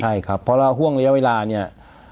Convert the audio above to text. ใช่ครับเพราะว่าห่วงระยะเวลาเนี่ย